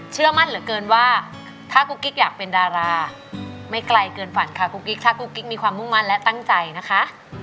เชื่อมั่นเหลือเกินว่าถ้ากุ๊กกิ๊กอยากเป็นดาราไม่ไกลเกินฝันค่ะกุ๊กกิ๊กถ้ากุ๊กกิ๊กมีความมุ่งมั่นและตั้งใจนะคะ